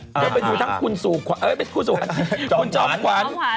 ก็เป็นอยู่ทั้งคุณสูบขวานคุณจอบขวาน